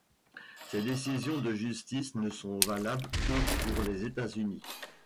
Ces décisions de justice ne sont valables que pour les États-Unis.